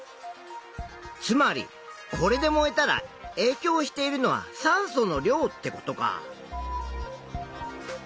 つまりこれで燃えたらえいきょうしているのは酸素の量ってことか。